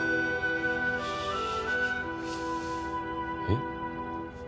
えっ？